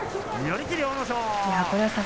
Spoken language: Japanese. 寄り切り、阿武咲。